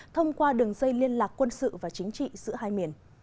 thông qua đường dây liên lạc quân sự và chính trị giữa hai miền